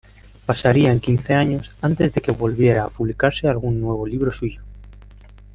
Pasarían quince años antes de que volviera a publicarse algún nuevo libro suyo.